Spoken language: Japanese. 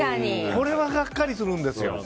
これはがっかりするんです。